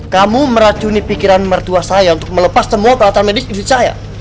kamu merajuni pikiran mertua saya untuk melepas semua pelatihan medis dari diri saya